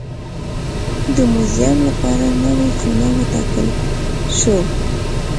د موزیم لپاره نوې خونه وټاکل شوه.